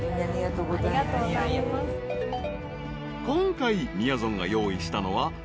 ［今回みやぞんが用意したのは］